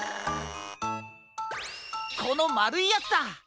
このまるいヤツだ！